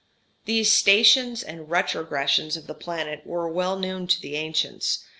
] These "stations" and "retrogressions" of the planets were well known to the ancients.